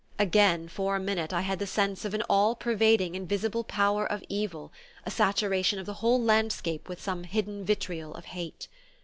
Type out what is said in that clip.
Again, for a minute, I had the sense of an all pervading, invisible power of evil, a saturation of the whole landscape with some hidden vitriol of hate.